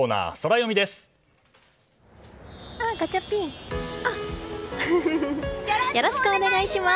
よろしくお願いします！